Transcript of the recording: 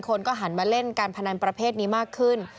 คนก็หันมาเล่นการพนันประเภทนี้มากขึ้น